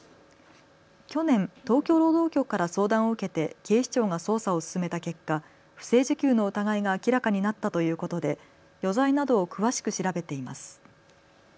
去年、東京労働局から相談を受けて警視庁が捜査を進めた結果不正受給の疑いが明らかになったということで余罪などを詳しく調べています。